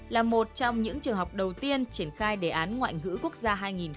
là một trong những trường học đầu tiên triển khai đề án ngoại ngữ quốc gia hai nghìn hai mươi